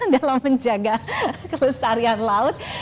dalam menjaga kelestarian laut